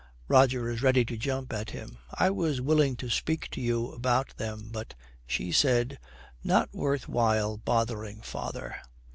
Roger is ready to jump at him. 'I was willing to speak to you about them, but ' 'She said, "Not worth while bothering father."'